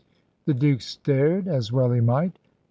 The Duke stared, as well he might.